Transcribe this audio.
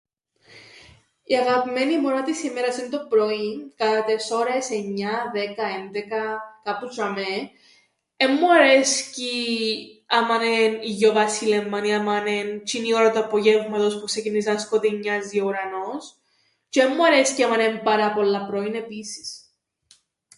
Η αγαπημένη μου ώρα της ημέρας εν' το πρωίν κατά τες ώρες εννιά, δέκα, έντεκα, κάπου τζ̆ειαμαί. Εν μου αρέσκει άμαν εν' ηλιοβασίλεμμαν ή άμαν εν' τζ̆είνη η ώρα του απογεύματος που ξεκινίζει να σκοτεινιάζει ο ουρανός τζ̆αι εν μου αρέσκει άμαν εν' πάρα πολλά πρωίν επίσης.